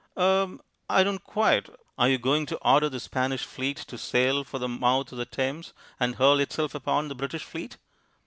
"Er I don't quite " "Are you going to order the Spanish Fleet to sail for the mouth of the Thames, and hurl itself upon the British fleet?"